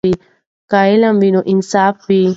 که علم وي نو نفس وي.